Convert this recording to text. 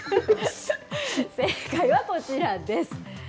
正解はこちらです。